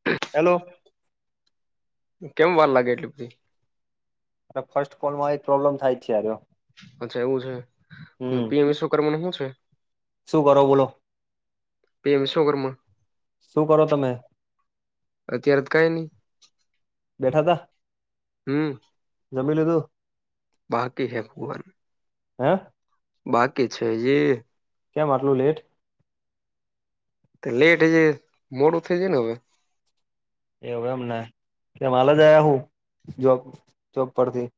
[inaudible] Hello કેમ વાર લાગે એટલી બધી અરે ફર્સ્ટ કોલ માં પ્રોબ્લેમ થાય જ છેયાર અચ્છા એવું છે પીએમ વિશ્વકર્મા નું હુ છે. શું કરો બોલો બે એમ વિશ્વઘરમાં શું કરો તમે અત્યારેત કઈ નહી બેઠા હમ ત જમી લીધું બાકી હે ભવાન હ. બાકી છે હજી કેમ આટલું લેટ તે લેટ જે મોડું થઈ જાય ને હવે એવું એમ ને કે માલા જયા હું જોક ચોક પરથી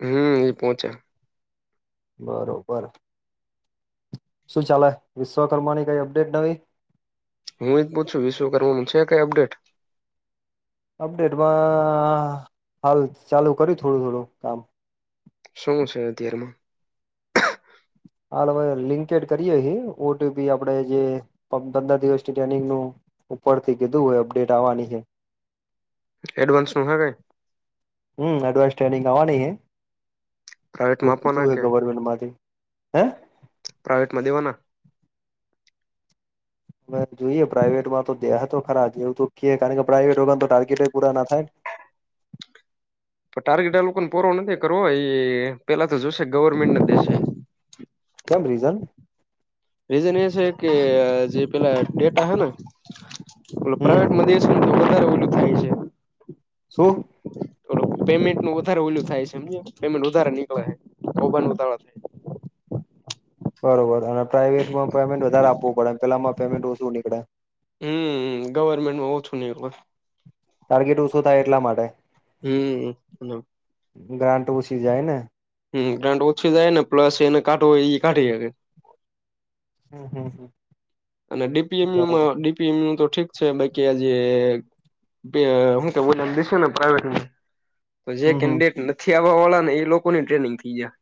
હમ્મ એ પહોંચે બરોબર શું ચાલે વિશ્વકર્માની કઈ અપડેટ નવી હું એ જ પૂછ છું વિ શું કરવાનું છે કઈ અપડેટ અપડેટમાં હાલ ચાલુ કર્યું થોડું થોડું કામ સુ છે તિર હાલવે લિંકેડ કરીએ ઓટીપી આપણેે જે બધા દિવસની ટ્રેનિંગ નું ઉપર થી કીધું હોય અપડેટ આવવાની છે. એડવાન્સ નું હે ગ એ હમ એડવાન્સ ટ્રેનિંગ આવવાની હ એવું પ્રાઇવેટમાં આપવાના કીધું હ કે ગવર્મેન્ટ માંથી હે પ્રાાઈવેટ દેવા ના હ જોઈએ પ્રાઇવેટ માં તો દેહતો ખરા એવું તોખીએ કારણ કે પ્રાઈવેટ વગર તો ટાર્ગેટ પૂરા ના થાય ટાર્ગેટ આ લોકોને પૂરો નથી કરવો એ પેલા તો જોશે ગવર્મેન્ટને છે. કેમ રીઝન રીઝન એ છે કે જે પેલા ડેટા હે ને પ હમ પ્રાઈવેટ મ વધારે ઓલું થાય છે. સુું પેમેન્ટ ન વધારે ઓલું થાય છે પેમેન્ટ વધારે નીકળે મો થાય બરોબર અને પ્રાાઈવેટમાં પેમેન્ટ વધારે આપવું પડે પેલામાં પેમેન્ટ ઓછું નીકળે હમ ગવર્મેન્ટમાં ઓછું નહી ટાર્ગેટ ઓછો થાય એટલા માટે હમ્મ ગ્રા્ટ બછી જાયને હમ ગ્રાન્ટ ઓછી જાય ને પ્લસ એને કાઢો એ કાઢી શ હમ હમ હમ અને ડીપીએમયુમાં ડીપીએમયુ તો ઠીક છે બાકી આજ હ તો બો દશે પ્રાઈઇવેટ તો જે હમ હમ કેન્ડિડેટ નથી આવવા વાળા ને એ લોકોની ટ્રેનિંગ થઈ જાય.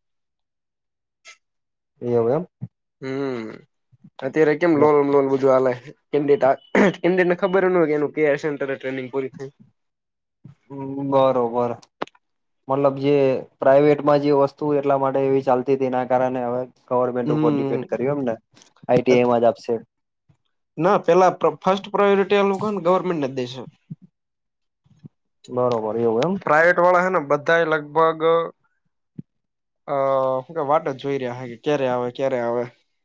એમ એમ હમ અત્યારે કેમ લોન લોન બધું હાલે કેડેટ કેન્ડેટને ખબર ન હોય એ કે સેન્ટર ટ્રેિંગ પૂરી થઈ હમ બરોબર મતલબ જે પ્રાઈવેટમાં જે વસ્તુ એટલા માટે એવી ચાલતી હતી એના કારણે હવે. ગવર્મેન્ટ ઉપર હમ્મ ડિપેન્ડ કર્યું એમને આઈટીઆમાં જ આપશે ના પેલા ફર્સ્ટ પ્રાયોરિટી આલું ગવર્મેન્ટ ના દે છે. બરોબર એવું એમ પ્રાઇવેટ વાળા હે ને બધા લગભગ અ ક વાતો જોઈ રહ્યા હ કે ક્યારે આવે ક્યારે આવે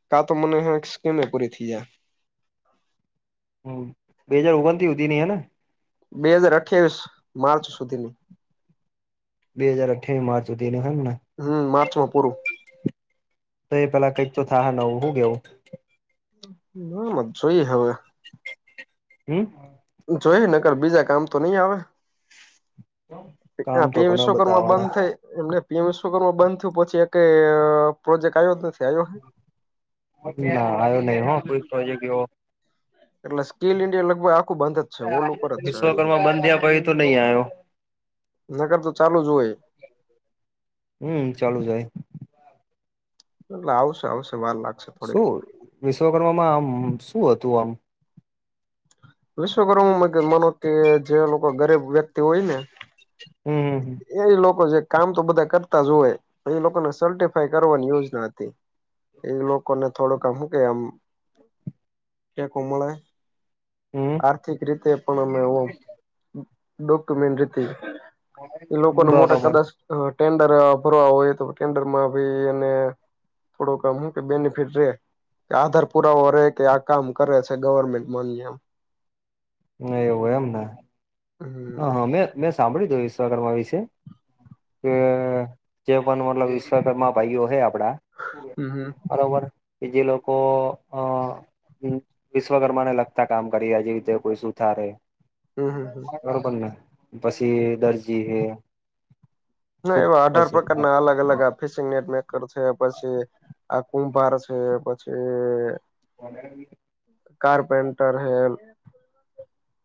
કા તો મને સ્કીમે એ કરી જા હ બે હાજર ઓગન થી સુધી નઈ હે ને બે હાજર અઠવીશ માર્ચ સુધીની બે હજ અઠવી માર્ચ તેનું હને હમ માર્ચ માં પૂરું તો એ પેલા કંઈક તો થાહે નવુ હું કે જોઈએ હવે. હમ. જોઈએ નગર બીજા કામ તો નઈ આવે કામ આ તો પીએમ ઘણા વિશ્વ બધા કરમાં બંધ આવવાના થઈ. એમને પીએમ વિશ્વકર માં બંધ થયું પછી એક પ્રોજેક્ટ આવ્યો જ નથી આવ્યો ના, આયો નઈ હ કોઈ પ્રોજેક્ટ એવો એટલે સ્કીલ ઈન્ડિયા લગભગ આખું બંધ જ છે વર્લ્ડ ઉપર જ છે, આઈ થિંક વિશ્વકર્મા બંધ થયા પછી તો નહી આવ્યો નગર તો ચાલુ જ હોય. હમ, ચાલુ જાય. આવશે આવશે વાર લાગ શું વિશ્વકર્મામાં આમ શું હતું આમ વિશ્વકર્મમાં માનો કે જે લોકો ગરીબ વ્યક્તિ હોય ને હમ્મ એ લોકો જે કામ તો બધા કરતા જ હોય એ લોકોને સેલોટેપ કરવા ન્યુઝ ના હતી. એ લોકો ને થોડુંક કે હમ આર્થિક રીતે પણ અમે એ લોકોને બરોબર મોટા કદાચ ટેન્ડર ભરવા હોય તો ટેન્ડરમાં બી એને થોડોકામ હું કે બેનિફિટ જોયે કે આધાર પુરાવો રહેે કે આ કામ કરે છે ગવર્મેન્ટ માન્ય. એવું એમના હમ હ હ મેં મેં સાંભળ્યું જો વિશ્વકમાં વિશે. કે જે પણ મતલબ વિશ્વકરમાં ભાઈઓ હે આપડા. હમ હમ બરોબર, કે જે લોકો અ વિશ્વકર્માને લગતા કામ કરીયા જે રીતે કોઈ સુુથારે હમ હમ. બરોબરને પછી દરજીએ. ના એવા અઢાર પ્રકારના અલગ અલગ આપ ફિશિંગ નેટ મેકર છે પછી આ કુંભાર છે પછી પગારની કારપેન્ટર હે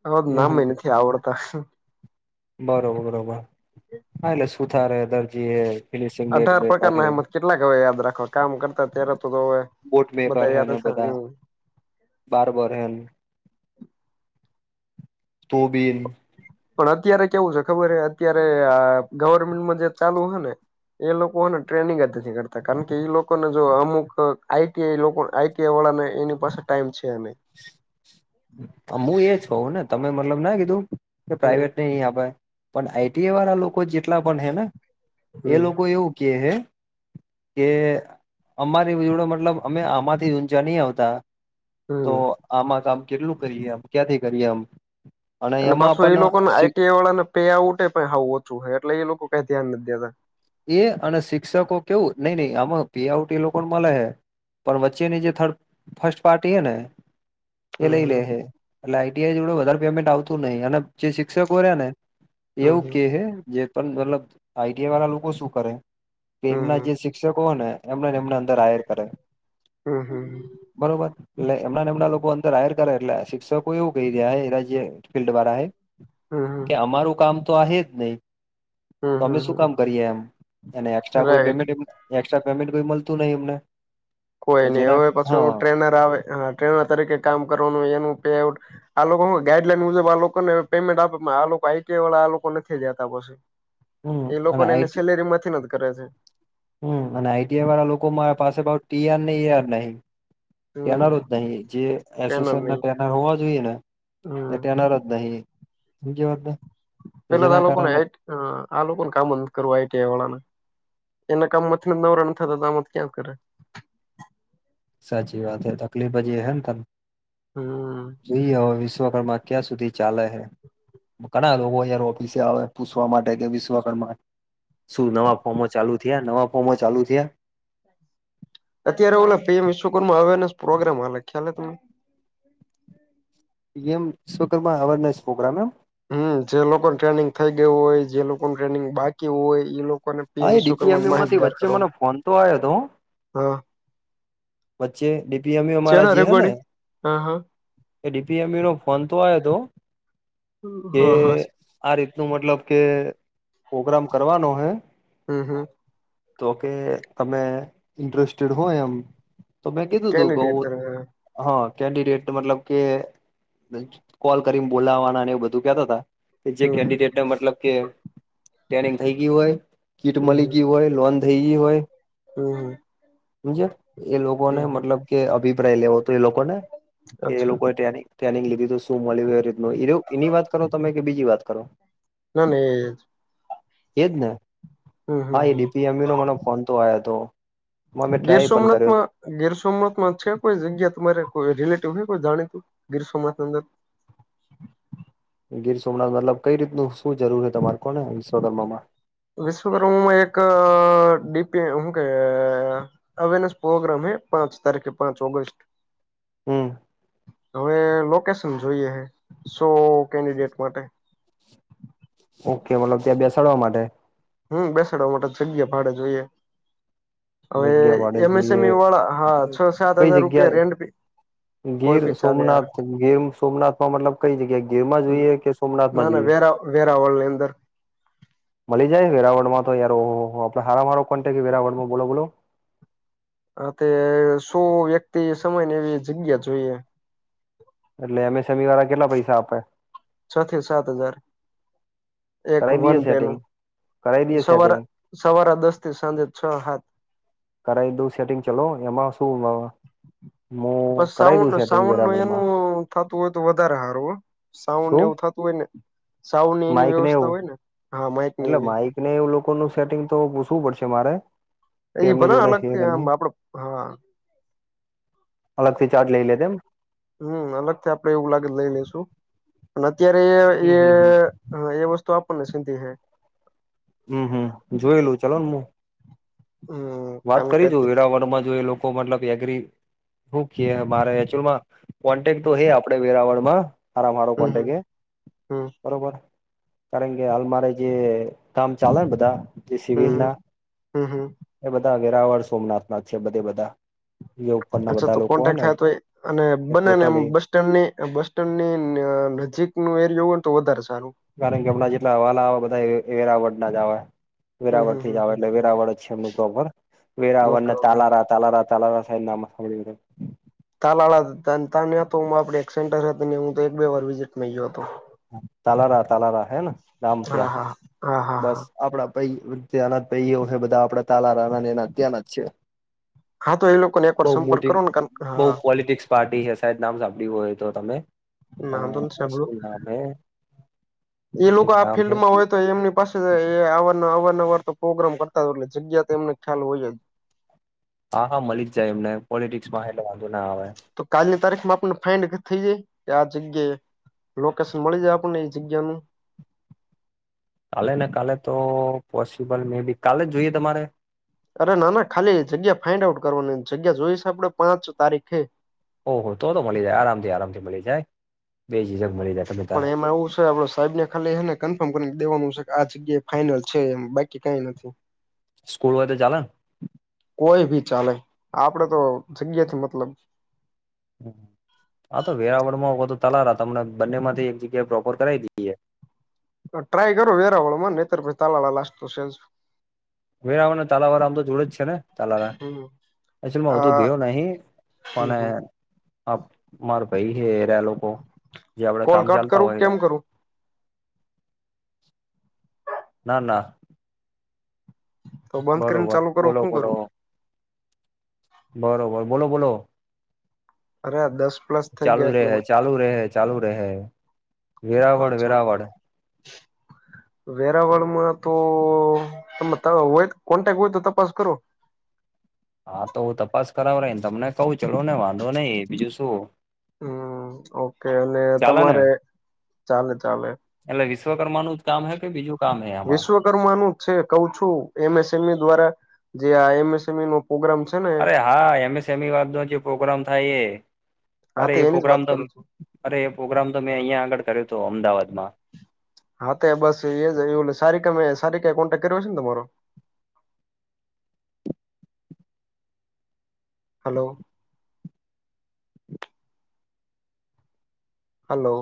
અમુક હમ હમ નામેય નથી આવડતા. બરોબર બરોબર. હા, એટલે સુથારે, દરજીએ, ફિનિશિંગ અઢાર ને કરે. પ્રકારના એમ કેટલાક હવે યાદ રાખો કામ કરતા ત્યારે તો હવે બોટ બધા યાદ હતા હ. બારબર એમ. તોબીન. પણ અત્યારે કેવું છે ખબર હ અત્યારે ગવર્મેન્ટમાં જે ચાલુ હને એ લોકો હને ટ્રેનિંગ જ નથી કરતા કારણ કે ઈ લોકોને જો અમુક આઈટીઆઈ લોકોન આઈ કેવાળા ને એની પાસે ટાઈમ છે નહી. હું એ છઉ ને તમે મતલબ ના કીધું કે હમ પ્રાઈવેટ ન આપે. પણ આઈટીઆ વાળા લોકો જેટલા પણ હે ને એ હમ લોકો એવું કે હે કે અમારી જોડો મતલબ અમે આમાંથી ઊંચા ની આવતા. હમ. આમા કામ કેટલું કરીએ આમ ક્યાંથી કરીએ આમ. અને એમાં પાછું એ પણ લોકોને આઈટીઆઈ વાળાને પે આઉટ પણ હું ઓછું હોય એટલે એ લોકો કઈ ધ્યાન નથી દેતા. એ અને શિક્ષકો કેવું નઈ નઈ આમાં પીઆઉટ એ લોકોન મલહે. પણ વચ્ચેની જે થર્ડ ફર્સ્ટ પાર્ટી હેને. એ લઈ લે હમ હ એટલે આઈટીઆઈ જોડે વધારે પેમેન્ટ આવતું નઈ અને જે શિક્ષકો રે ને. હમ એવું હમ કે જે મતલબ આઈટી વાળ લોકો શું કરે? કે એમના હમ જે શિક્ષકો હોય ને એમને એમને અંદર હાયર કરે હમ હમ હમ બરોબર. એટલે એમના એમના લોકો અંદર હાયર કરે એટલે શિક્ષકો એવું કહી રહ્યા હ રાજ્ય ફિલ્ડ વાળા હે. હમ કે અમારું કામ તો હેજ નઈ હમ તો અમે શું હમ કામ અને હમ રાઈટ મલતું નઈ એમને. તો કોઈ નઈ જેના હવે હા પછી ટ્રેનર આવે ટ્રેનર તરીકે કામ કરવાનું એનું પે આઉટ આ લોકો હ ગાઈડલાઈન મુજબ આ લોકોને પેમેન્ટ આપે આ લોકો આઈટી વાળા આ લોકો નથી જતા પછી. હમ એ અને લોકોને એની આઈટી સેલેરી માંથી ન જ કરે છે. હમ અને આઈટીઆઈ વાળા લોકો મારા પાસે ટીઆર ને એઆર નહ હમ ટ્રેનરો જ નહી જે એસોસિયાસન ટ્રેનરની ટેનર હોવા જોઈએ ને એ હમ ટ્રેનર જ નહી સમજ્યા વાત ને. પેલા તો જેના આ લોકોને કારણે આ લોકોને કામં જ નથ કરવું આઈટીઆઈ વાળાને. એના કામ માથ નવરા નથ થતા તોત ક્યાં કરે. સાચી વાત હ તકલીફ જે હ ને તને હમ. જોઈએ હવે વિશ્વકર્મા ક્યાં સુધી ચાલે હ ના લોકો ઓફિસે આવે પૂછવા માટે કે વિશ્વર શું નવા ફોર્મો ચાલુ થયા નવા ફોર્મો ચાલુ થયા. અત્યારે ઓ પીએમ વિશ્વકર્મા માં અવેરનેસ પ્રોગ્રામ હાલે ખ્યાલ તમને. P M Vishwakarma awareness programme એમ. હમ જે લોકો ટ્રેનિંગ થઈ ગયું હોય જે લોકો ટ્રેનિંગ બાકી હોય એ લોકોને પીએમ હા એ વિશ્વકર્મા થી ડીપીએમયુ માંથી માહિતગાર વચ્ચે કર મને ફોન તો આવ્યો હતો હા વચ્ચે ડીપીએમય અમારા શેના જે હે ને રેકોર્ડિંગ હા હા એ ડી પી એમેનો ફોન તો આયો તો કે હા હા આ રીતનું મતલબ કે પોગ્રામ કરવાનો હે. હમ્મ હમ્મ. તો કે તમે ઈન્ટરેસ્ટેડ હોય એમ તો મેં કીધું તું કે ઉ કેન્ડિડેટ હમ હ કેન્ડિડેટ મતલબ કે કોલ કરીને બોલાવાનાને એવું બધું કેતા તા. કે જે હમ કેન્ડિડેટને મતલબ કે ટ્રેનિંગ થઈ ગય હોય, કીટ હમ મલી હમ ગય હોય, લોન થઈ ગઈ હોય હમ હમ હમજયા એ લોકોને હમ હમ મતલબ કે અભિપ્રાય લેવોતો એ લોકોને કે એ અચ્છા લોકોએ ટેનીગ ટ્રેનિંગ લીધી તું શું મળ્યું એ રીતનું એ એની વાત કરો તમે કે બીજી વાત કરો? ના મેં એજ ને, હમ હમ હા એ હમ ડી પી એમ એનો મને ફોન તો આયોતો. ગીર સોમનાથમાં ગીર સોમનાથમાં છે કોઈ જગ્યા તમારે કોઈ રિલેટિવ હોય કોઈ જાણીતું ગીર સોમનાથની અંદર? ગીર સોમનાથ મતલબ કઈ રીતનું શું જરૂર હે તમાર કોને વિશ્વકર્મામાં? વિશ્વકર્મામાં એક ડીપી હું કેય અ અવેરનેસ પ્રોગ્રામ હે પાંચ તારીખે પાંચ ઓગસ્ટ. હમ હવે લોકેશન જોઈએ હે સો કેન્ડિડેટ માટે. ઓકે મતલબ ત્યાં બેસાડવા માટે. હમ્મ, બેસાડવા માટે જગ્યા ભાડે જોઈએ. હવે જગ્યા ભાડે એમ એસ જોઈએ એમવાળા હા છ સાત કઈ હજાર રૂપિયા જગ્યા રેન્ટ પે ગીર સોમનાથ ગીર સોમનાથમાં મતલબ કઈ જગ્યાએ ગીરમાં જોઈએ કે ના સોમનાથમાં જોઈએ ના વેરા વેરાવલની અંદર. મળી જાય વેરાવળમાં તો યાર ઓહોહો આપડે હારામ હારો કોન્ટેક હે વેરાવળમાં બોલો બોલો. હ તે શું વ્યક્તિ સમયને એવી જગ્યા જોઈએ. એટલે એમ એસ એમી વાળા કેટલા પૈસા આપે? છથી સાત હજાર એક કરાઈ વન દઈએ સેટિંગ ડેનું કરાઈ દઈએ સવારે સેટિંગ સવારે દસથી સાંજે છ હાત. કરાઈ દઉ સેટિંગ ચલો એમાં શું નવું. પર સાઉન્ડ સાઉન્ડનુ વેરાવળમાં એનું થતું હોય તો વધારે હારુ હો. સાઉન્ડ શું એવું થાતું હોયને સાઉન્ડને એની માઈક વ્યવસ્થા એવું હોય ને. હા માઈક ની એટલે માઈકને એવું લોકોનું સેટિંગ તો પૂશવુ પડશે મારે. એ કે એમની ભલે જોડે છે અલગથી કે આમ નહી આપડે હા અલગથી ચાર્જ લઈ લે એમ. હમ્મ, અલગથી આપડે એવું લાગે તો લઈ લઈશું પણ અત્યારે હમ એ હમ હમ હા એ વસ્તુ આપણને સીન્ધી હે. હમ હમ જોયેલું ચલો ને હું હમ વાત કારણ કે કરી જોઉ વેરાવળમાં જો એ લોકો મતલબ એગ્રી હું કે મારે એચુલમાં કોન્ટેક તો હે આપડે વેરાવળમાં હારામ હારો હમ કોન્ટેક હમ હે. હમ બરોબર, કારણ કે હાલ મારે જે કામ ચાલેન બધાં હમ્મ હમ્મ હમ્મ હમ્મ. એ બધા વેરાવળ સોમનાથના છે બધે બધાં. અચ્છા તો કોન્ટેક્ટ થાય તો એ અને એ બનેને એમ ટોટલી બ સ્ટેન્ડની બસસ્ટેન્ડની ન નજીકનો એરિયો હોય ને તો વધારે સારું. કારણ કે હમણાં જેટલા હવાલા આવે બધાં વેરાવળના જ આવે. હમ વેરાવળ થી હમ જ આવે હમ એટલે વેરાવળ જ છે એમનું પ્રોપર ઓકે વેરાવળને ઓકે તાલારા તાલારા તાલારા સાઈડ નામ સાંભળ્યું છે. તાલાલા [unintelligible] આપે એક સેન્ટરને હું એક બે વાર વિઝિટમાં ગ્યો હતો. તાલારા તાલારા હેન ગામ હા ત્યા હા હા. બસ હા આપડા ભઈ ત્યાનાં ભઈઓ હે બધાં આપડા તાલારાના એના ત્યાંના જ છે. હા તો એ લોકોને એકવાર બઉ સંપર્ક મોટી કરો ને બઉ હા પોલિટિક્સ પાર્ટી હે સાહેબ નામ સાંભળ્યું હોય તો તમે. વાંધો નથી અ શું સાંભળ્યું નામ હે? એ એક લોકો આ નામ હે ફિલ્ડમાં હોય તો એમની પાસે એ આવાના આવના હોય તો પ્રોગ્રામ કરતા હોય એટલે જગ્યા તો એમને ખ્યાલ હોય જ. હા હા મળી જાય એમને પોલિટિક્સ માં હે એટલે વાંધો ના આવે તો કાલની તારીખમાં આપને ફાઇન થઈ જાય કે આ જગ્યાએ. લોકેશન મળી જાય આપણને એ જગ્યા નુ કાલે ને કાલે તો પોસિબલ મે બી કાલે જ જોઈએ તમારે અરે ના ના ખાલી જગ્યા ફાઇન્ડ આઉટ કરવાની જગ્યા જોઈશે આપડે પાંચ તારીખે ઓહ તો તો મળી જાય આરામથી આરામથી મળી જાય બેજીજક મળી જાય. તમે તારા પણ એમાં એવું છે આપડે સાહેબ ને ખાલી એને કન્ફર્મ કરીને દેવાનું છે કે આ જગ્યાએ ફાઈનલ છે એમ બાકી કાઈ નથી. સ્કૂલ હોય તો ચાલેન કોઈ ભી ચાલે આપડે તો જગ્યાથી મતલબ હાતો વેરાવળ માં કોતો તાલારા તમને બંને માંથી એક જગ્યા પ્રોપર કરાઈ દઈએ. ટ્રાય કરૂ વેરાવળ માં નેતર પછી તાલારા લાસ્ટ તો છેજ. વેરાવળ અને તાલાવારા આમ તો જોડે જ છે ને તાલારા હમ એચુઅલ માં વધુ આ ગ્યો નહી પણ હમ એ હમ હ મારે ભાઈ છે લોકો જે આપડે કોલ કામ કટ ચાલતા કરું હોય. કેમ કરું ના ના તો બંધ કરીને બરોબર ચાલુ કરું બોલો શું બોલો, કરું બરોબર બોલો બોલો અરે દસ પ્લસ થઈ ચાલુ ગયા રહે એટલે ચાલુ રહે ચાલુ રહે વેરાવળ અચ્છા વેરાવળ [inaudible] વેરાવળમાં તો તમે હોય કોન્ટેક હોય તો તપાસ કરો હા તો હું તપાસ કરાવાઈ રહીને તમને કઉ ચલો ને વાંધો નઈ બીજું શું અમ ઓકે અને ચાલે ને તમારે ચાલે ચાલે એટલે વિશ્વકર્માનું જ કામ હે કે બીજું કામ હે આમાં વિશ્વકર્માનું જ છે કઉ છું એમ. એસ. એમ. ઈ. દ્વારા જે આ એમ. એસ. એમ. ઈ. નો પ્રગ્રામ છે. ને અરે હા એમ. એસ. એમ. ઈ. વાદ નો જે પ્રોગ્રામ થાય એ હા અરે તો એ એની જ પ્રોગ્રામ વાત તો કરું છું અરે એ પ્રોગ્રામ તો મેં અહીયાંયા આગળ કર્યો હતો અમદાવાદમાં હા તો બસ એ જ સારીમે સારી ક કોન્ટેક કર્યો છે ને તમારો હલો હલો